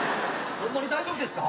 ほんまに大丈夫ですか？